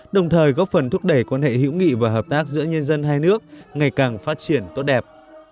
đồng thời góp phần thúc đẩy quan hệ hữu nghị và hợp tác giữa nhân dân hai nước ngày càng phát triển tốt đẹp